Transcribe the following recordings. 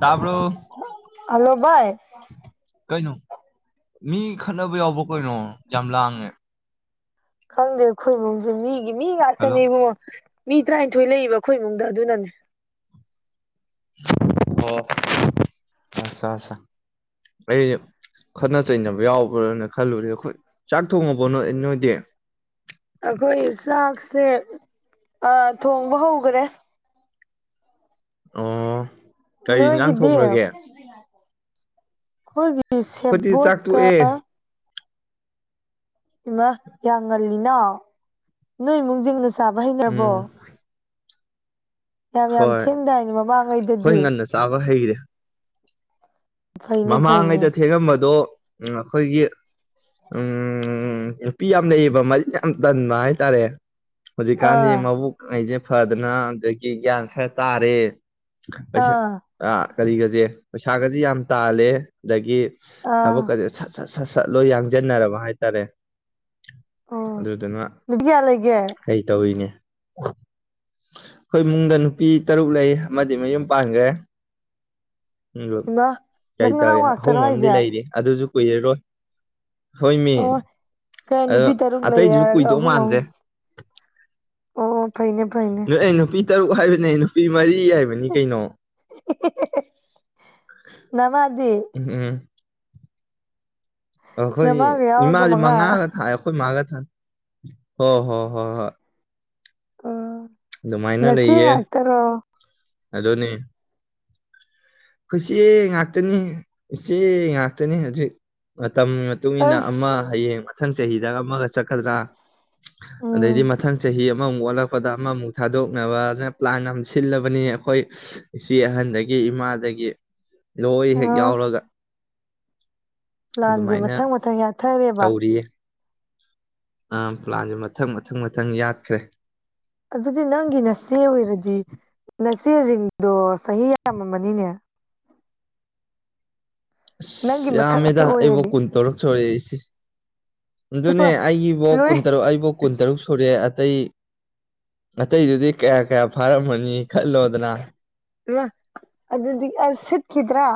ꯇꯔꯕ hello ꯚꯏ ꯀꯩꯅꯣ ꯃꯤ ꯈꯠꯅꯕ ꯌꯥꯎꯕ ꯀꯩꯅꯣ ꯌꯥꯝ ꯂꯥꯡꯉꯦ ꯈꯪꯗꯦ ꯑꯩꯈꯣꯏ ꯏꯃꯨꯡꯁꯦ ꯃꯤꯒꯤ ꯃꯤ ꯍꯜꯂꯣ ꯉꯥꯛꯇꯅꯦ ꯏꯕꯨꯡꯉꯣ ꯃꯤ ꯇꯔꯥꯅꯤꯊꯣꯏ ꯂꯩꯕ ꯑꯩꯈꯣꯏ ꯏꯃꯨꯡꯗ ꯑꯗꯨꯅꯅꯦ ꯑꯣ ꯑꯆꯥ ꯑꯆꯥ ꯑꯆꯥ ꯑꯩ ꯈꯠꯅ ꯆꯩꯅꯕ ꯌꯥꯎꯕ꯭ꯔꯥꯅ ꯈꯜꯂꯨꯔꯦ ꯑꯩꯈꯣꯏ ꯆꯥꯛ ꯊꯣꯡꯉꯕ ꯅꯣꯏ ꯅꯣꯏꯗꯤ ꯑꯩꯈꯣꯏ ꯆꯥꯛꯁꯦ ꯊꯣꯡꯕ ꯍꯧꯈꯔꯦ ꯑꯣ ꯀꯔꯤ ꯏꯟꯖꯥꯡ ꯅꯣꯏꯒꯤꯗꯤ ꯊꯣꯡꯈ꯭ꯔꯒꯦ ꯑꯩꯈꯣꯏꯒꯤ ꯑꯩꯈꯣꯏꯗꯤ ꯆꯥꯛ ꯁꯦꯕꯣꯠꯀ ꯇꯣꯛꯑꯦ ꯏꯃ ꯌꯥ ꯉꯜꯂꯤꯅꯣ ꯅꯣꯏ ꯏꯃꯨꯡꯁꯤꯡꯅ ꯆꯥꯕ ꯍꯩꯅꯔꯕꯣ ꯎꯝ ꯌꯥꯝ ꯌꯥꯝ ꯊꯦꯡꯗꯥꯏꯅꯦ ꯃꯃꯥꯡꯉꯩꯗꯗꯤ ꯇꯥꯕ ꯍꯩꯔꯦ ꯐꯩꯅꯦ ꯐꯩꯅꯦ ꯃꯃꯥꯡꯉꯩꯗ ꯊꯦꯡꯉꯝꯕꯗꯣ ꯎ ꯑꯩꯈꯣꯏꯒꯤ ꯎꯝ ꯅꯨꯄꯤ ꯌꯥꯝ ꯂꯩꯌꯦꯕ ꯃꯔꯤꯟ ꯌꯥꯝ ꯇꯟꯕ ꯍꯥꯏꯇꯥꯔꯦ ꯍꯧꯖꯤꯛꯀꯥꯟꯗꯤ ꯑꯥ ꯃꯕꯨꯛ ꯑꯩꯁꯦ ꯐꯗꯅ ꯑꯗꯒꯤ ꯒ꯭ꯌꯥꯟ ꯈꯔ ꯇꯥꯔꯦ ꯄꯩꯁꯥ ꯑꯥ ꯑ ꯀꯔꯤꯒꯁꯦ ꯄꯩꯁꯥꯒꯁꯦ ꯌꯥꯝ ꯇꯥꯜꯂꯦ ꯑꯗꯒꯤ ꯑꯥ ꯊꯕꯛ ꯑꯗꯨ ꯁꯠ ꯁꯠ ꯁꯠ ꯁꯠ ꯂꯣꯏ ꯌꯥꯡꯁꯤꯟꯅꯔꯕ ꯍꯥꯏꯇꯥꯔꯦ ꯑꯣ ꯑꯗꯨꯗꯨꯅ ꯅꯨꯄꯤ ꯀꯌꯥ ꯂꯩꯒꯦ ꯀꯩ ꯇꯧꯔꯤꯅꯦ ꯑꯩꯈꯣꯏ ꯏꯨꯡꯗ ꯅꯨꯄꯤ ꯇꯔꯨꯛ ꯂꯩ ꯑꯃꯗꯤ ꯃꯌꯨꯝ ꯄꯥꯟꯈ꯭ꯔꯦ ꯏꯃꯥ ꯀꯩ ꯅꯪ ꯅꯅꯥꯎ ꯇꯧꯋꯦ ꯑꯍꯨꯝ ꯉꯥꯛꯇꯔꯣ ꯑꯃꯗꯤꯝ ꯍꯥꯏꯁꯦ ꯂꯩꯔꯤ ꯑꯗꯨꯁꯨ ꯀꯨꯏꯔꯔꯣꯏ ꯍꯣꯏ ꯃꯤ ꯑꯣ ꯀꯩ ꯑꯗꯣ ꯅꯨꯄꯤ ꯇꯔꯨꯛ ꯂꯩ ꯑꯇꯩꯗꯨꯁꯨ ꯍꯥꯏꯔꯒ ꯀꯨꯏꯗꯧ ꯑꯍꯨꯝ ꯃꯥꯟꯗ꯭ꯔꯦ ꯑꯨꯨꯝ ꯑꯣ ꯑꯣ ꯐꯩꯅꯩꯅ ꯅ ꯑꯩ ꯅꯨꯄꯤ ꯇꯔꯨꯛ ꯍꯥꯏꯕꯅꯦ ꯑꯩ ꯅꯨꯄꯤ ꯃꯔꯤ ꯍꯥꯏꯕꯅꯤ ꯀꯩꯅꯣ ꯅꯃꯗꯤ ꯎꯝ ꯑꯩꯈꯣꯏ ꯅꯃꯥꯒ ꯌꯥꯎꯔꯒ ꯏꯃꯥꯥꯁꯦ ꯃꯉꯥ ꯃꯉꯥꯒ ꯊꯥꯏ ꯑꯩꯈꯣꯏ ꯏ ꯃꯥꯥꯒ ꯊꯥꯏ ꯍꯣ ꯍꯣꯏ ꯍꯣꯏ ꯍꯣꯏ ꯑꯣ ꯑꯗꯨꯃꯥꯏꯅ ꯃꯁꯤ ꯌꯦ ꯂꯩꯌꯦ ꯍꯥꯥꯛꯇꯥꯔꯣ ꯑꯗꯨꯅꯤ ꯑꯩꯆꯦ ꯉꯥꯛꯇꯅꯤ ꯏꯆꯦ ꯉꯥꯛꯇꯅꯤ ꯍꯧꯖꯤꯛ ꯃꯇꯝ ꯃꯇꯨꯡ ꯏꯟꯅ ꯑꯃ ꯑꯁ ꯍꯌꯦꯡ ꯃꯊꯪ ꯆꯍꯤꯗꯒ ꯑꯃꯒ ꯆꯠꯀꯗ꯭ꯔꯥ ꯑꯗꯩꯗꯤ ꯎꯝ ꯃꯊꯪ ꯆꯍꯤ ꯑꯃꯃꯨꯛ ꯑꯣꯠꯂꯛꯄ ꯈꯣꯠꯄꯗ ꯑꯃꯃꯨꯛ ꯊꯥꯗꯣꯛꯅꯕꯅ ꯄ꯭ꯂꯥꯟ ꯑꯃ ꯁꯤꯜꯂꯕꯅꯤ ꯑꯩꯈꯣꯏ ꯏꯆꯦ ꯑꯍꯟꯗꯒꯤ ꯏꯃꯥꯗꯒꯤ ꯂꯣꯏ ꯍꯦꯛ ꯑꯥ ꯌꯥꯎꯔꯒ ꯂꯥꯟꯁꯦ ꯑꯗꯨꯃꯥꯏꯅ ꯃꯊꯪ ꯃꯊꯪ ꯌꯥꯊꯔꯦꯕ ꯑ ꯄ꯭ꯂꯥꯟꯁꯦ ꯃꯊꯪ ꯃꯊꯪ ꯃꯊꯪ ꯌꯥꯠꯈ꯭ꯔꯦ ꯑꯗꯨꯗꯤ ꯅꯪꯒꯤ ꯅꯆꯦ ꯑꯣꯏꯔꯗꯤ ꯅꯆꯦꯁꯤꯡꯗꯣ ꯆꯍꯤ ꯌꯥꯝꯃꯅꯤꯅꯦ ꯅꯪꯒꯤ ꯑꯁ ꯃꯊꯛ ꯉꯥꯛꯇ ꯌꯥꯝꯃꯦꯗ ꯑꯩꯕꯧ ꯑꯣꯏꯔꯗꯤ ꯀꯨꯟ ꯇꯧꯔꯛ ꯁꯣꯔꯦ ꯑꯩꯁꯤꯦ ꯏꯃꯥ ꯑꯗꯨꯅꯦ ꯑꯩꯒꯤꯐꯧ ꯂꯣꯏ ꯀꯨꯟꯇꯔꯨꯛ ꯑꯩꯕꯨꯧ ꯀꯨꯟ ꯇꯔꯨꯛ ꯁꯨꯔꯦ ꯑꯇꯩ ꯑꯇꯩꯗꯨꯗꯤ ꯀꯌꯥ ꯀꯌꯥ ꯐꯥꯔꯝꯃꯅꯤ ꯈꯜꯂꯣꯗꯅ ꯃ ꯑꯗꯨꯗꯤ ꯑꯁ ꯁꯤꯠꯈꯤꯗ꯭ꯔꯥ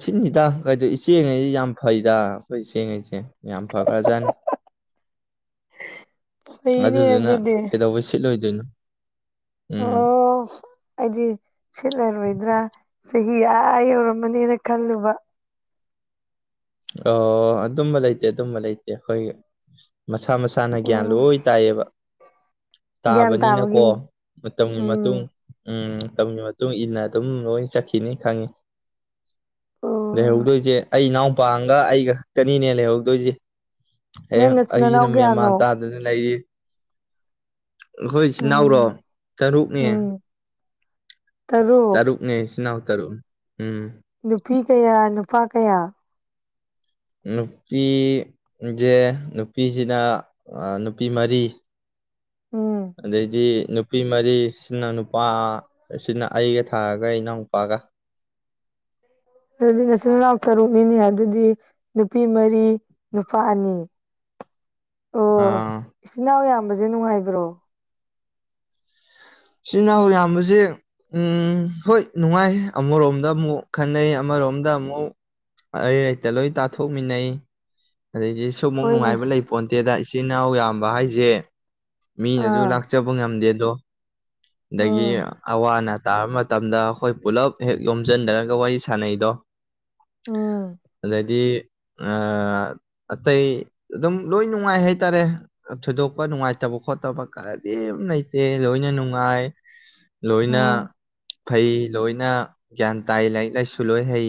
ꯁꯤꯅꯤꯗ ꯀꯩꯗ ꯏꯆꯦꯉꯁꯤ ꯌꯥꯝ ꯐꯩꯗ ꯑꯩꯈꯣꯏ ꯏ ꯆꯦꯉꯁꯦ ꯌꯥꯝ ꯐꯒꯂꯖꯅꯤ ꯐꯩꯅꯦ ꯑꯗꯨꯗꯨꯅ ꯑꯗꯨꯗꯤ ꯀꯩꯗꯧꯕꯩ ꯁꯤꯠꯂꯣꯏꯗꯣꯏꯅꯣ ꯎꯝ ꯑꯣ ꯑꯩꯗꯤ ꯁꯤꯠꯂꯔꯣꯏꯗ꯭ꯔꯥ ꯆꯍꯤ ꯑꯥ ꯌꯧꯔꯝꯃꯅꯦꯅ ꯈꯜꯂꯨꯕ ꯑꯣ ꯑꯗꯨꯝꯕ ꯂꯩꯇꯦ ꯑꯗꯨꯝꯕ ꯂꯩꯇꯦ ꯑꯩꯈꯣꯏ ꯃꯁꯥ ꯃꯁꯥ ꯏꯁꯥꯅ ꯒ꯭ꯌꯥꯟ ꯎꯝ ꯂꯣꯏ ꯇꯥꯏꯌꯦꯕ ꯒ꯭ꯌꯥꯟ ꯇꯥꯕꯅꯤꯅꯀꯣ ꯇꯥꯕꯒꯤꯅꯤ ꯃꯇꯝꯒꯤ ꯃꯇꯨꯡ ꯎꯝ ꯎꯝ ꯇꯝꯒꯤ ꯃꯇꯨꯡ ꯏꯟꯅ ꯑꯗꯨꯝ ꯂꯣꯏ ꯆꯠꯈꯤꯅꯤ ꯈꯪꯉꯤ ꯑꯣ ꯂꯩꯍꯧꯗꯣꯏꯁꯦ ꯑꯩ ꯏꯅꯥꯎꯄꯥꯥꯡꯒ ꯑꯩꯒ ꯈꯛꯇꯅꯤꯅꯦ ꯂꯩꯍꯧꯗꯣꯏꯁꯦ ꯍ ꯅꯪ ꯅꯆꯤꯟ ꯅꯅꯥꯎ ꯑꯩꯁꯤꯅ ꯃꯦꯟꯃꯥꯟ ꯀꯌꯥꯅꯣ ꯇꯥꯗꯅ ꯂꯩꯔꯤ ꯑꯩꯈꯣꯏ ꯏꯆꯤꯟꯅꯥꯎꯔꯣ ꯎꯝ ꯇꯔꯨꯛꯅꯦ ꯎꯝ ꯇꯔꯨꯛ ꯇꯔꯨꯛꯅꯦ ꯏꯆꯅꯥꯎ ꯇꯔꯨꯛ ꯎꯝ ꯅꯨꯄꯤ ꯀꯌꯥ ꯅꯨꯄꯥ ꯀꯌꯥ ꯅꯨꯄꯤꯁꯦ ꯅꯨꯄꯤꯁꯤꯅ ꯅꯨꯄꯤ ꯃꯔꯤ ꯎꯝ ꯑꯗꯩꯗꯤ ꯅꯨꯄꯤ ꯃꯔꯤꯁꯤꯅ ꯅꯨꯄꯥ ꯑꯁꯤꯅ ꯑꯩꯒ ꯊꯥꯔꯒ ꯏꯅꯥꯎꯨꯄꯥꯒ ꯑꯗꯨꯗꯤ ꯅꯆꯤꯟꯜ ꯃꯅꯥꯎ ꯇꯔꯨꯛꯅꯤꯅꯤ ꯑꯗꯨꯗꯤ ꯅꯨꯄꯤ ꯃꯔꯤ ꯅꯨꯄꯥ ꯑꯅꯤ [inaudible] ꯑꯣ ꯑꯥ ꯏꯆꯤꯟ ꯏꯅꯥꯎ ꯌꯥꯝꯕꯁꯦ ꯅꯨꯡꯉꯥꯏꯕ꯭ꯔꯣ ꯆꯤꯟ ꯏꯅꯥꯎ ꯌꯥꯝꯕꯁꯦ ꯎꯝ ꯍꯣꯏ ꯅꯨꯡꯉꯥꯏ ꯑꯃꯔꯣꯝꯗ ꯑꯃꯨꯛ ꯈꯟꯅꯩ ꯑꯃꯔꯣꯝꯗ ꯑꯃꯨꯛ ꯑꯩ ꯍꯛꯇ ꯂꯣꯏ ꯇꯥꯊꯣꯛꯃꯤꯟꯅꯩ ꯑꯗꯒꯤ ꯁꯨꯝ ꯑꯃꯨꯛ ꯍꯣꯏꯅꯦ ꯅꯨꯡꯉꯥꯏꯕ ꯂꯩ ꯄꯣꯟꯇꯦꯗ ꯏꯆꯤꯟꯜ ꯏꯅꯥꯎ ꯌꯥꯝꯕ ꯍꯥꯏꯁꯦ ꯃꯤꯅꯁꯨ ꯑꯥ ꯂꯥꯛꯆꯕ ꯉꯝꯗꯦ ꯑꯗꯣ ꯑꯗꯒꯤ ꯎꯝ ꯑꯋꯥ ꯑꯅꯥ ꯇꯥꯕ ꯃꯇꯝꯗ ꯑꯩꯈꯣꯏ ꯄꯨꯜꯂꯞ ꯍꯦꯛ ꯌꯣꯝꯁꯤꯟꯗꯔꯒ ꯋꯥꯔꯤ ꯁꯥꯟꯅꯩꯗꯣ ꯎꯝ ꯑꯗꯥꯏꯗꯤ ꯑ ꯑꯇꯩ ꯑꯗꯨꯝ ꯂꯣꯏ ꯅꯨꯡꯉꯥꯏ ꯍꯥꯏꯇꯥꯔꯦ ꯊꯣꯏꯗꯣꯛꯄ ꯅꯨꯡꯉꯥꯏꯇꯕ ꯈꯣꯠꯇꯕ ꯀꯔꯤꯝ ꯂꯩꯇꯦ ꯂꯣꯏꯅ ꯅꯨꯡꯉꯥꯏ ꯂꯣꯏꯅ ꯎꯝ ꯐꯩ ꯂꯣꯏꯅ ꯒ꯭ꯌꯥꯟ ꯇꯥꯏ ꯂꯥꯏꯔꯤꯛ ꯂꯥꯏꯁꯨ ꯂꯣꯏ ꯍꯩ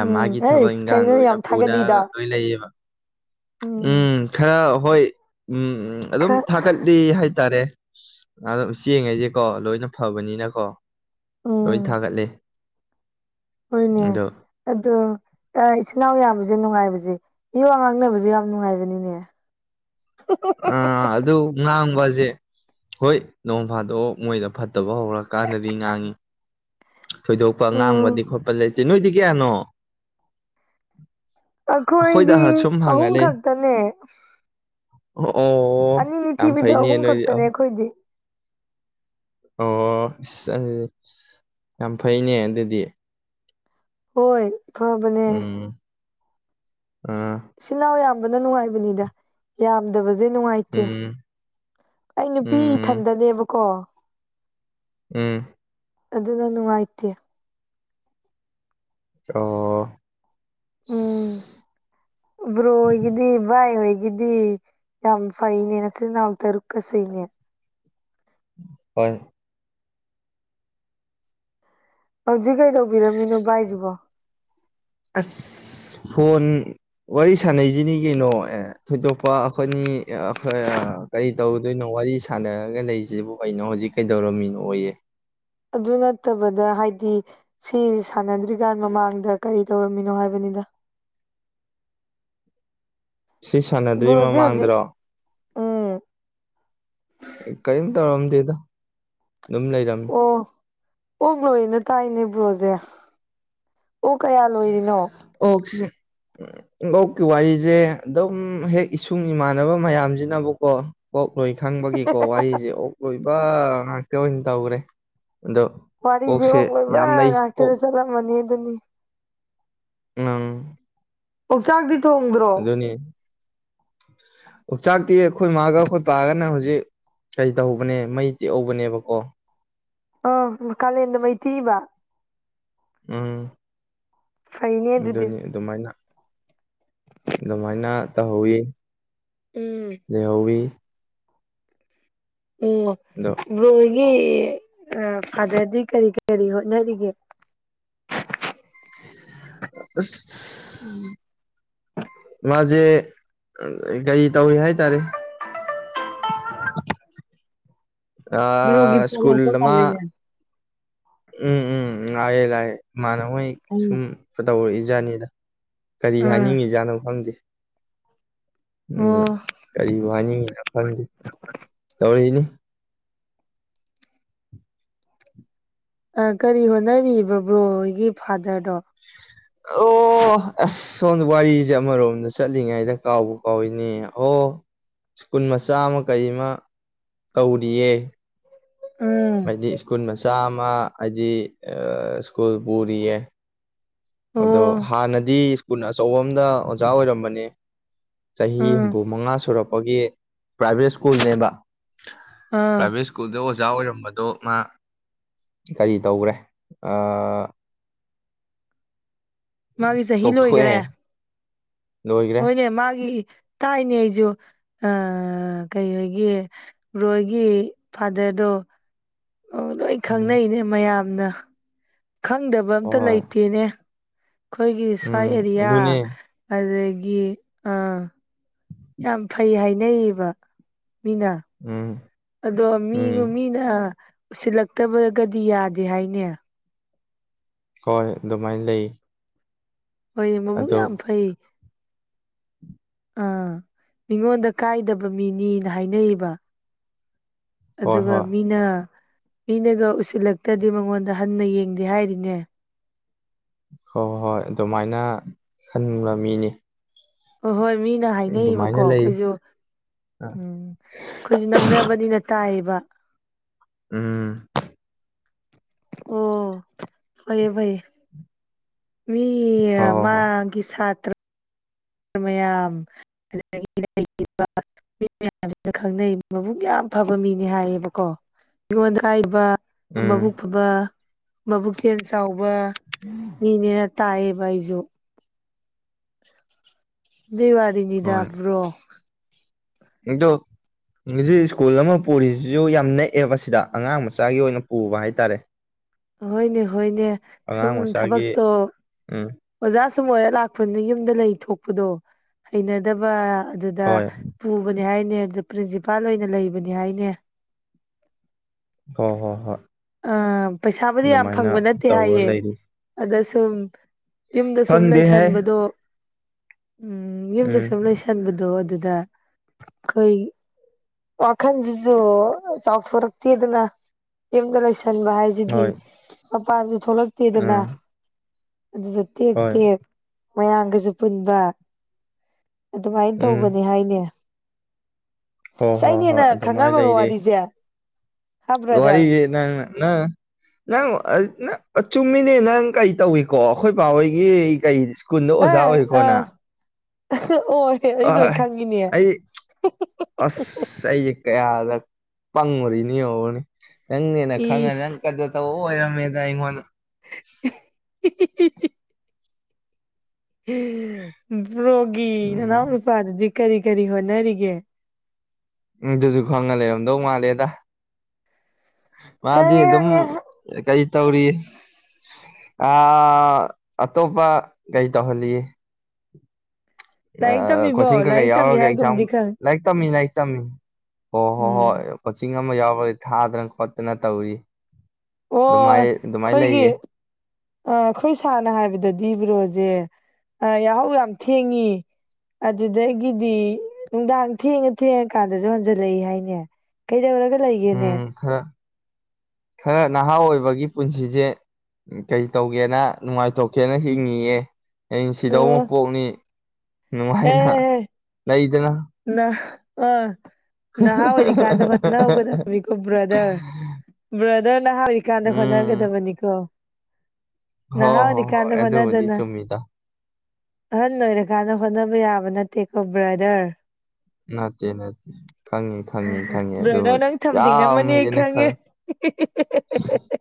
ꯎꯝ ꯃꯥꯒꯤ ꯊꯕꯛ ꯑꯩꯁ ꯏꯟꯈꯥꯡꯗ ꯀꯩꯅꯣ ꯑꯣꯏꯅ ꯌꯥꯝ ꯄꯨꯅ ꯊꯥꯒꯠꯂꯤꯗ ꯎꯝ ꯈꯔ ꯍꯣꯏ ꯎꯝ ꯑꯗꯨꯝ ꯈꯔ ꯊꯥꯒꯠ ꯆꯠꯂꯤ ꯍꯥꯏꯇꯥꯔꯦꯝ ꯆꯦꯡꯉꯁꯦꯀꯣ ꯂꯣꯏꯅ ꯐꯕꯅꯤꯅꯀꯣ ꯂꯣꯏ ꯊꯥꯒꯠꯂꯦ ꯑꯣꯏꯅꯦ ꯑꯗꯣ ꯏꯆꯤꯟ ꯏꯅꯥꯎ ꯌꯥꯝꯕꯁꯦ ꯅꯨꯡꯉꯥꯏꯕꯁꯦ ꯃꯤꯑꯣꯉꯥꯡꯅꯕꯁꯨ ꯌꯥꯝ ꯅꯨꯡꯉꯥꯏꯕꯅꯤꯅꯦ [unintelligible] ꯑ ꯑꯗꯨ ꯉꯥꯡꯕꯁꯦ ꯍꯣꯏ ꯅꯣꯡ ꯐꯥꯗꯣꯛ ꯃꯣꯏꯗ ꯐꯠꯇꯕ ꯍꯧꯔꯀꯥꯟꯗꯗꯤ ꯉꯥꯡꯉꯤ ꯊꯣꯏꯗꯣꯛꯄ ꯎꯝ ꯉꯥꯡꯕꯗꯤ ꯈꯣꯠꯄ ꯂꯩꯇꯦ ꯅꯣꯏꯗꯤ ꯀꯌꯥꯅꯣ ꯑꯩꯈꯣꯏꯗ ꯑꯩꯈꯣꯏꯗꯤ ꯁꯨꯝ ꯑꯍꯨꯝ ꯍꯪꯉꯂꯩ ꯈꯛꯇꯅꯦ ꯑꯣ ꯑꯅꯤꯅꯤ ꯌꯥꯝꯝ ꯊꯤꯕꯤꯗ ꯑꯍꯨꯝ ꯐꯥꯏꯅꯤꯅ ꯈꯛꯇꯅꯦ ꯑꯩꯈꯣꯏꯗꯤ ꯑꯣ ꯑꯗꯨꯗꯤ ꯌꯥꯝ ꯐꯩꯅꯦ ꯑꯗꯨꯗꯤ ꯍꯣꯏ ꯐꯕꯅꯦ ꯎꯝ ꯑ ꯏꯆꯤꯜ ꯏꯅꯥꯎ ꯌꯥꯝꯕꯅ ꯅꯨꯡꯉꯥꯏꯕꯅꯤꯗ ꯌꯥꯝꯗꯕꯁꯦ ꯅꯨꯡꯉꯥꯏꯇꯦ ꯎꯝ ꯑꯩ ꯅꯨꯄꯤ ꯎꯝ ꯏꯊꯟꯗꯅꯦꯕꯀꯣ ꯎꯝ ꯑꯗꯨꯅ ꯅꯨꯡꯉꯥꯏꯇꯦ ꯑꯣ ꯎꯝ [unintelligible] ꯕ꯭ꯔꯣ ꯍꯣꯏꯒꯤꯗꯤ ꯕꯥꯏ ꯍꯣꯏꯒꯤꯗꯤ ꯌꯥꯝ ꯐꯥꯏꯅꯦ ꯅꯆꯤꯟ ꯅꯅꯥꯎ ꯇꯔꯨꯛꯀ ꯁꯨꯏꯅꯦ ꯍꯣꯏ ꯍꯧꯖꯤꯛ ꯀꯩ ꯇꯧꯕꯤꯔꯝꯃꯤꯅꯣ ꯕꯥꯏꯁꯤꯕꯣ ꯑꯁ ꯐꯣꯟ ꯋꯥꯔꯤ ꯁꯥꯟꯅꯩꯁꯤꯅꯤ ꯀꯩꯅꯣ ꯑꯦ ꯊꯣꯏꯗꯣꯛꯄ ꯑꯩꯈꯣꯏꯅꯤ ꯑꯩꯈꯣꯏ ꯀꯔꯤ ꯇꯧꯗꯣꯏꯅꯣ ꯋꯥꯔꯤ ꯁꯥꯟꯅꯔꯒ ꯂꯩꯁꯤꯕꯨ ꯀꯩꯅꯣ ꯍꯧꯖꯤꯛ ꯀꯩꯗꯧꯔꯝꯃꯤꯅꯣꯌꯦ ꯑꯗꯨ ꯅꯠꯇꯕꯗ ꯍꯥꯏꯗꯤ ꯁꯤ ꯁꯥꯟꯅꯗ꯭ꯔꯤꯀꯥꯟ ꯃꯃꯥꯡꯗ ꯀꯔꯤ ꯇꯧꯔꯝꯃꯤꯅꯣ ꯍꯥꯏꯕꯅꯤꯗ ꯁꯤ ꯁꯥꯟꯅꯗꯔꯤ ꯕ꯭ꯔꯣꯁꯦ ꯍꯧꯖꯤꯛ ꯃꯃꯥꯡꯗꯔꯣ ꯎꯝ ꯀꯔꯤꯝ ꯇꯧꯔꯝꯗꯦꯗ ꯑꯗꯨꯝ ꯂꯩꯔꯝꯃꯦ ꯑꯣ ꯑꯣꯛ ꯂꯣꯏꯅ ꯇꯥꯏꯅꯦ ꯕ꯭ꯔꯣꯖꯦ ꯑꯣꯛꯁꯦ ꯑꯣꯛꯀꯤ ꯋꯥꯔꯤꯖ‌ꯦ ꯑꯗꯨꯝ ꯍꯦꯛ ꯏꯁꯨꯡ ꯏꯃꯥꯟꯅꯕ ꯃꯌꯥꯝꯁꯤꯅꯕꯀꯣ ꯑꯣꯛ ꯂꯣꯏ ꯈꯪꯕꯒꯤꯀꯣ ꯋꯥꯔꯤꯁꯦ ꯑꯣꯛ ꯂꯣꯏꯕ ꯉꯥꯛꯇ ꯑꯣꯏꯅ ꯇꯧꯈ꯭ꯔꯦ ꯑꯗꯣ ꯋꯥꯔꯤꯖꯤ ꯑꯣꯛꯁꯦ ꯑꯣꯛ ꯂꯣꯏꯕ ꯌꯥꯝ ꯂꯩ ꯉꯥꯛꯇꯗ ꯑꯣꯛ ꯆꯠꯂꯝꯃꯅꯤ ꯑꯗꯨꯅꯤ ꯎꯝ ꯑꯣꯛ ꯆꯥꯛꯇꯤ ꯊꯣꯡꯗ꯭ꯔꯣ ꯑꯣꯛ ꯆꯥꯛꯇꯤ ꯑꯩꯈꯣꯏ ꯃꯥꯒ ꯑꯩꯈꯣꯏ ꯄꯥꯒꯅ ꯍꯧꯖꯤꯛ ꯀꯩ ꯇꯧꯕꯅꯦ ꯃꯩ ꯇꯦꯛꯍꯧꯕꯅꯦꯕꯀꯣ ꯑꯥ ꯀꯥꯂꯦꯟꯗ ꯃꯩ ꯇꯦꯛꯏꯕ ꯎꯝ ꯐꯩꯅꯦ ꯑꯗꯨꯗꯤ ꯑꯗꯨꯅꯤ ꯑꯗꯨꯃꯥꯏꯅ ꯑꯗꯨꯃꯥꯏꯅ ꯇꯧꯍꯧꯏ ꯎꯝ ꯂꯩꯍꯧꯏ ꯑꯣ ꯑꯗꯣ ꯕ꯭ꯔꯣꯍꯣꯏꯒꯤ ꯐꯥꯗꯔꯗꯤ ꯀꯔꯤ ꯀꯔꯤ ꯍꯣꯠꯅꯔꯤꯒꯦ ꯑꯁ ꯃꯥꯁꯦ ꯀꯔꯤ ꯇꯧꯏ ꯍꯥꯏꯇꯥꯔꯦ [unintelligible] ꯕ꯭ꯔꯣꯒꯤ ꯑ ꯐꯣꯟ ꯁ꯭ꯀꯨꯜ ꯂꯥꯛꯄ ꯑꯃ ꯃꯥꯜꯂꯤꯅꯦ ꯎꯝ ꯎꯝ ꯎꯝ ꯂꯥꯛꯑꯦ ꯂꯥꯛꯑꯦ ꯏꯃꯥꯟꯅꯕ ꯍꯣꯏ ꯁꯨꯝ ꯎꯝ ꯇꯧꯔꯛꯏ ꯖꯥꯠꯅꯤꯗ ꯀꯔꯤ ꯍꯥꯏꯅꯤꯡꯉꯤꯖꯥꯠꯅꯣ ꯈꯪꯗꯦ ꯎꯝ ꯀꯔꯤꯕꯨ ꯍꯥꯏꯅꯤꯡꯉꯤꯅꯣ ꯈꯪꯗꯦ ꯇꯧꯔꯛꯏꯅꯤ ꯀꯔꯤ ꯍꯣꯠꯅꯔꯤꯕ ꯕ꯭ꯔꯣ ꯍ‌ꯣꯏꯒꯤ ꯐꯥꯗꯔꯗꯣ ꯑꯣ ꯑꯣ ꯑꯁ ꯁꯣꯝꯗ ꯋꯥꯔꯤꯁꯦ ꯑꯃꯔꯣꯝꯗ ꯆꯠꯂꯤꯉꯩꯗ ꯀꯥꯎꯕꯨ ꯀꯥꯎꯏꯅꯦ ꯑꯣ ꯁ꯭ꯀꯨꯜ ꯃꯆꯥ ꯑꯃ ꯀꯔꯤ ꯑꯃ ꯇꯧꯔꯤꯌꯦ ꯎꯝ ꯍꯥꯏꯗꯤ ꯁ꯭ꯀꯨꯜ ꯃꯆꯥ ꯑꯃ ꯍꯥꯏꯗꯤ ꯑꯥ ꯁ꯭ꯀꯨꯜ ꯄꯨꯔꯤꯌꯦ ꯑꯗꯣ ꯑꯣ ꯍꯥꯟꯅꯗꯤ ꯁ꯭ꯀꯨꯜ ꯑꯆꯧꯕ ꯑꯃꯥꯗ ꯑꯣꯖꯥ ꯑꯣꯏꯔꯝꯕꯅꯦ ꯆꯍꯤ ꯎꯝ ꯍꯨꯝꯐꯨ ꯃꯉꯥ ꯁꯨꯔꯛꯄꯒꯤ ꯄ꯭ꯔꯥꯏꯕꯦꯠ ꯁ꯭ꯀꯨꯜꯅꯦꯕ ꯑꯥ ꯄ꯭ꯔꯥꯏꯕꯦꯠ [unintelligible] ꯁ꯭ꯀꯨꯜꯗ ꯑꯣꯖꯥ ꯑꯣꯏꯔꯝꯕꯗꯣ ꯃꯥ ꯀꯔꯤ ꯇꯧꯈ꯭ꯔꯦ ꯑꯥ ꯃꯥꯒꯤ ꯆꯍꯤ ꯂꯣꯏꯈ꯭ꯔꯦ ꯇꯣꯛꯊꯣꯛꯑꯦ ꯂꯣꯏꯈ꯭ꯔꯦ ꯍꯣꯏꯅꯦ ꯃꯥꯒꯤ ꯇꯥꯏꯅꯦ ꯑꯩꯁꯨ ꯑ ꯀꯩ ꯍꯥꯏꯒꯦ ꯕ꯭ꯔꯣꯍꯣꯏꯒꯤ ꯐꯥꯗ꯭ꯔꯗꯣ ꯑꯥ ꯂꯣꯏ ꯎꯝ ꯈꯪꯅꯩꯅꯦ ꯃꯌꯥꯝꯅ ꯈꯪꯗꯕ ꯑꯃꯇ ꯍꯣꯏ ꯂꯩꯇꯦꯅꯦ ꯑꯩꯈꯣꯏꯒꯤ ꯁ꯭ꯋꯥꯏ ꯎꯝ ꯑꯦꯔꯤꯌꯥ ꯑꯗꯨꯅꯦ ꯑꯗꯒꯤ ꯑꯥ ꯌꯥꯝ ꯐꯩ ꯍꯥꯏꯅꯩꯌꯦꯕ ꯃꯤꯅꯥ ꯎꯝ ꯑꯗꯣ ꯃꯤ ꯎꯝ ꯃꯤꯅ ꯎꯁꯤꯜꯂꯛꯇꯕꯒꯗꯤ ꯌꯥꯗꯦ ꯍꯥꯏꯅꯦ ꯍꯣꯏ ꯑꯗꯨꯃꯥꯏꯅ ꯂꯩ ꯍꯣꯏꯅꯦ ꯃꯕꯨꯛ ꯑꯗꯣ ꯌꯥꯝ ꯐꯩ ꯑꯥ ꯃꯤꯉꯣꯟꯗ ꯀꯥꯏꯗꯕ ꯃꯤꯅꯤꯅ ꯍꯥꯏꯅꯩꯕ ꯍꯣꯏ ꯑꯗꯨꯒ ꯍꯣꯏ ꯃꯤꯅ ꯃꯤꯅꯒ ꯎꯁꯤꯜꯂꯛꯇ꯭ꯔꯗꯤ ꯃꯉꯣꯟꯗ ꯍꯟꯅ ꯌꯦꯡꯗꯦ ꯍꯥꯏꯔꯤꯅꯦ ꯍꯣꯏ ꯍꯣꯏ ꯑꯗꯨꯃꯥꯏꯅ ꯈꯟꯕ ꯃꯤꯅꯤ ꯍꯣꯏ ꯍꯣꯏ ꯃꯤꯅ ꯑꯗꯨꯃꯥꯏꯅ ꯍꯥꯏꯅꯩꯌꯦꯕꯀꯣ ꯂꯩ ꯑꯈꯣꯏꯁꯨ ꯎꯝ ꯑꯈꯣꯏꯁꯨ ꯅꯛꯅꯕꯅꯤꯅ ꯇꯥꯏꯌꯦꯕ ꯎꯝ ꯑꯣ ꯐꯩꯌꯦ ꯐꯩꯌꯦ ꯃꯤ ꯍꯣꯏ ꯍꯣꯏ ꯍꯣꯏ ꯃꯥꯒꯤ ꯁꯥꯇ꯭ꯔ ꯃꯌꯥꯝ [unintelligible] ꯃꯤ ꯃꯌꯥꯝꯁꯤꯅ ꯈꯪꯅꯩ ꯃꯕꯨꯨꯛ ꯌꯥꯝ ꯐꯕ ꯃꯤꯅꯤ ꯍꯥꯏꯌꯦꯕꯀꯣ ꯑꯩꯉꯣꯟꯗ ꯍꯥꯏꯕ ꯎꯝ ꯃꯕꯨꯛ ꯐꯕ ꯃꯕꯨꯛ ꯆꯦꯜ ꯆꯥꯎꯕ ꯎꯝ ꯃꯤꯅꯤꯅ ꯇꯥꯏꯌꯦꯕ ꯑꯩꯁꯨ ꯗꯦꯋꯥꯔꯤꯅꯤ ꯗꯕ꯭ꯔꯣ ꯏꯗꯣ ꯍꯧꯖꯤꯛ ꯁ꯭ꯀꯨꯜ ꯑꯃ ꯄꯨꯔꯤꯁꯤꯁꯨ ꯌꯥꯝ ꯅꯦꯛꯑꯦ ꯁꯤꯗ ꯑꯉꯥꯡ ꯃꯆꯥꯒꯤ ꯑꯣꯏꯅ ꯄꯨꯕ ꯍꯥꯏꯇꯥꯔꯦ ꯍꯣꯏꯅꯦ ꯍꯣꯏꯅꯦ ꯁꯨꯝ ꯑꯉꯥꯡ ꯃꯆꯥꯒꯤ ꯊꯕꯛꯇꯣ ꯎꯝ ꯑꯣꯖꯥ ꯁꯨꯝ ꯑꯣꯏꯔ ꯂꯥꯛꯄꯅꯤꯅ ꯌꯨꯝꯗ ꯂꯩ ꯊꯣꯛꯄꯗꯣ ꯍꯩꯅꯗꯕ ꯑꯗꯨꯗ ꯍꯣꯏ ꯄꯨꯕꯅꯦ ꯍꯥꯏꯅꯦ ꯑꯗꯨꯗ ꯄ꯭ꯔꯤꯟꯁꯤꯄꯥꯜ ꯑꯣꯏꯅ ꯂꯩꯕꯅꯤ ꯍꯥꯏꯅꯦ ꯍꯣꯏ ꯍꯣꯏ ꯍꯣꯏ ꯑꯥ ꯄꯩꯁꯥꯕꯨꯗꯤ ꯌꯥꯝ ꯐꯪꯕ ꯑꯗꯨꯃꯥꯏꯅ ꯅꯠꯇꯦ ꯇꯧꯔ ꯍꯥꯏꯌꯦꯦ ꯂꯩꯔꯤ ꯑꯗ ꯁꯨꯝ ꯌꯨꯝꯗ ꯁꯨꯝ ꯈꯪꯗꯦꯍꯦ ꯂꯩꯁꯟꯕꯗꯣ ꯎꯝ ꯌꯨꯝꯗ ꯎꯝ ꯁꯨꯝ ꯂꯩꯁ ꯇꯟꯕꯗꯣ ꯑꯗꯨꯗ ꯑꯈꯣꯏ ꯋꯥꯈꯟꯁꯤꯁꯨ ꯆꯥꯎꯊꯣꯔꯛꯇꯦꯗꯅ ꯌꯨꯝꯗ ꯂꯣꯏꯁꯟꯕ ꯍꯥꯏꯁ ꯑꯗꯨꯗꯤ ꯍꯣꯏ ꯃꯄꯥꯥꯟꯁꯨ ꯊꯣꯛꯂꯛꯇꯦꯗꯅ ꯎꯝ ꯑꯗꯨꯗ ꯇꯦꯛ ꯍꯣꯏ ꯇꯦꯛ ꯃꯌꯥꯝꯒꯁꯨ ꯄꯨꯟꯕ ꯑꯗꯨꯃꯥꯏꯅ ꯎꯝ ꯇꯧꯕꯅꯦ ꯍꯥꯏꯅꯦ ꯍꯣꯏ ꯁ ꯍꯣꯏ ꯑꯩꯅꯦ ꯍꯣꯏ ꯍꯦꯟꯅ ꯈꯪꯉꯝꯃꯕ ꯋꯥꯔꯤꯁꯦ ꯍꯥ ꯕ꯭ꯔꯗꯔ ꯋꯥꯔꯤꯁꯤ ꯅꯥꯪꯟ ꯅꯪ ꯅꯪ ꯅꯪ ꯆꯨꯝꯃꯤꯅꯦ ꯅꯪ ꯀꯔꯤ ꯇꯧꯏꯀꯣ ꯑꯈꯣꯏ ꯕꯥꯍꯣꯏꯒꯤ ꯀꯩ ꯁ꯭ꯀꯨꯜꯗ ꯑꯣꯖꯥ ꯑꯣꯏꯀꯣ ꯅꯪ ꯑꯣ ꯑꯩ ꯂꯣꯏ ꯑꯥꯏ ꯈꯪꯉꯤꯅꯦ ꯑꯩ ꯑꯁ ꯑꯩꯁꯦ ꯀꯌꯥꯗ ꯄꯪꯉꯨꯔꯤꯅꯤꯌꯣꯡꯅꯦ ꯅꯪꯅꯦꯅ ꯈꯪꯉꯒ ꯅꯪ ꯏꯁ ꯀꯥꯗ꯭ꯔ ꯇꯧꯕ ꯑꯣꯏꯔꯝꯃꯦꯗ ꯑꯩꯉꯣꯟꯗ [unintelligible] ꯔꯕꯣꯒꯤ ꯎꯝ ꯅꯅꯥꯎ ꯅꯨꯄꯥꯗꯨꯗꯤ ꯀꯔꯤ ꯀꯔꯤ ꯍꯣꯠꯅꯔꯤꯒꯦ ꯑꯗꯨꯁꯨ ꯈꯪꯉ ꯂꯩꯔꯝꯗꯧ ꯃꯥꯜꯂꯦꯗ ꯃꯥꯗꯤ ꯑꯗꯨꯝ ꯀꯩ ꯇꯧꯔꯤ ꯑ ꯑꯇꯣꯞꯄ ꯀꯩ ꯇꯧꯍꯜꯂꯤꯌꯦ ꯂꯥꯏꯔꯤꯛ ꯇꯝꯃꯤꯕꯣ ꯀꯣꯆꯤꯡ ꯀꯩꯀꯩ ꯂꯥꯏꯔꯤꯛ ꯇꯝꯃꯤ ꯌꯥꯎꯔꯒ ꯑꯦꯛꯖꯥꯝ ꯍꯥꯏꯒꯨꯝꯗꯤ ꯈꯪ ꯂꯥꯏꯔꯤꯛ ꯇꯝꯃꯤ ꯂꯥꯏꯔꯤꯛ ꯇꯝꯃꯤ ꯍꯣꯏ ꯍꯣ ꯍꯣꯏ ꯎꯝ ꯀꯣꯆꯤꯡ ꯑꯃ ꯌꯥꯎꯈꯗꯤ ꯊꯥꯗꯅ ꯈꯣꯠꯇꯅ ꯇꯧꯔꯤ ꯑꯗꯨꯃꯥꯏ ꯑꯣ ꯑꯗꯨꯃꯥꯏꯅ ꯂꯩꯌꯦ ꯑꯩꯈꯣꯏꯒꯤ ꯑ ꯑꯩꯈꯣꯏ ꯁꯥꯔꯅ ꯍꯥꯏꯕꯗꯗꯤ ꯕ꯭ꯔꯣꯖꯦ ꯌꯥꯍꯧ ꯌꯥꯝ ꯊꯦꯡꯏꯤ ꯑꯗꯨꯗꯒꯤꯗꯤ ꯅꯨꯡꯗꯥꯡ ꯊꯦꯡꯉ ꯊꯦꯡꯉꯀꯥꯟꯗꯁꯨ ꯍꯟꯖꯜꯂꯛꯏ ꯍꯥꯏꯅꯦ ꯀꯩꯗꯧꯔꯒ ꯂꯩꯒꯦꯅꯦ ꯎꯝ ꯈꯔ ꯈꯔ ꯅꯍꯥ ꯑꯣꯏꯕꯒꯤ ꯄꯨꯟꯁꯤꯁꯦ ꯀꯩ ꯇꯧꯒꯦꯅ ꯅꯨꯡꯉꯥꯏꯇꯧꯀꯦꯅ ꯍꯤꯡꯉꯤꯑꯦ ꯑ ꯁꯤꯗꯧ ꯑꯣ ꯑꯃ ꯄꯣꯛꯅꯤ ꯅꯨꯡꯉꯥꯏꯅ ꯑꯦ ꯂꯩꯗꯅ ꯅ ꯑꯥ ꯅꯍꯥ ꯑꯣꯏꯔꯤꯀꯥꯟꯗ ꯍꯣꯠꯅ ꯍꯧꯒꯗꯕ ꯕ꯭ꯔꯗꯔ ꯕ꯭ꯔꯗꯔꯅ ꯍꯥꯏꯔꯤꯀꯥꯟꯗ ꯎꯝ ꯍꯣꯠꯅꯒꯗꯕꯅꯤꯀꯣ ꯍꯣ ꯍꯣ ꯅꯍꯥꯎꯅꯤ ꯍꯣꯏ ꯀꯥꯟꯗ ꯑꯗꯨꯕꯨꯗꯤ ꯍꯣꯅꯗꯅ ꯆꯨꯝꯃꯤꯗ ꯑꯍꯟ ꯑꯣꯏꯔꯀꯥꯟꯗ ꯍꯣꯠꯅꯕ ꯌꯥꯕ ꯅꯠꯇꯦꯀꯣ ꯕ꯭ꯔꯗꯔ ꯅꯠꯇꯦ ꯅꯠꯇꯦ ꯈꯪꯉꯤ ꯈꯪꯉꯤ ꯈꯪꯉꯤ ꯕ꯭ꯔꯗꯔ ꯑꯗꯨꯕꯨꯗꯤ ꯅꯪ ꯌꯥꯝ ꯊꯝꯅꯤꯡꯉꯝꯃꯅꯤ ꯑꯩ ꯍꯦꯟꯅ ꯈ ꯈꯪꯉꯦ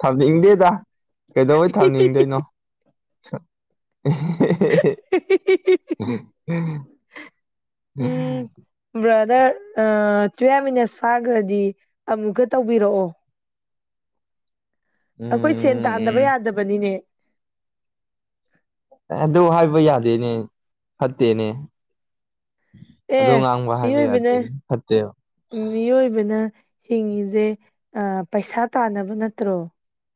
ꯊꯝꯅꯤꯡꯗꯦꯗ ꯀꯩꯗꯧꯩ ꯊꯝꯅꯤꯡꯗꯣꯏꯅꯣ ꯎꯝ ꯎꯝ ꯕ꯭ꯔꯥꯗꯔ ꯇꯨꯌꯦꯞ ꯃꯤꯅꯠꯁ ꯐꯥꯈ꯭ꯔꯗꯤ ꯑꯃꯨꯛꯀ ꯇꯧꯕꯤꯔꯛꯑꯣ ꯑꯩꯈꯣꯏ ꯁꯦꯟ ꯎꯝ ꯎꯝ ꯇꯥꯟꯗꯕ ꯌꯥꯗꯕꯅꯤꯅꯦ ꯑꯗꯨ ꯍꯥꯏꯕ ꯌꯥꯗꯦꯅꯦ ꯐꯠꯇꯦꯅꯦ ꯑꯣ ꯑꯦ ꯉꯥꯡꯕ ꯍꯥꯏꯕ ꯃꯤꯑꯣꯏꯕꯅ ꯌꯥꯗꯦ ꯐꯠꯇꯦꯕ ꯃꯤꯑꯣꯏꯕꯅ ꯍꯤꯡꯉꯤꯁꯦ ꯄꯩꯁꯥ ꯇꯥꯅꯕ ꯅꯠꯇ꯭ꯔꯣ